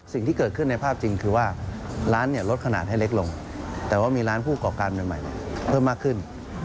สิ่งที่เกิดขึ้นในภาพจริงคือว่าร้านลดขนาดให้เล็กลงแต่ว่ามีร้านผู้ก่อการใหม่เพิ่มมากขึ้น